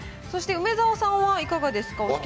そして、梅沢さんはいかがですか？